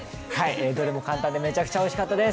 どれも簡単でめちゃくちゃおいしかったです。